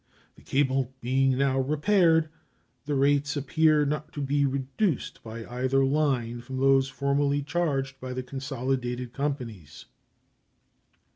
This cable being now repaired, the rates appear not to be reduced by either line from those formerly charged by the consolidated companies.